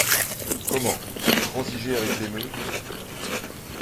Comment ! vous transigez avec l’émeute ?